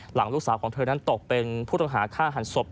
หลังลูกสาวของเธอนั้นตกเป็นผู้ต้องหาฆ่าหันศพ